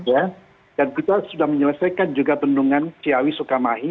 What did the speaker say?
ya dan kita sudah menyelesaikan juga bendungan ciawi sukamahi